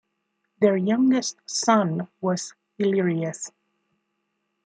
Their youngest son was Illyrius.